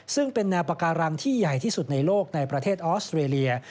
ซึ่งเป็นแนวปาการังที่ใหญ่ที่สุดในโลกในประเทศออสเตรเลีย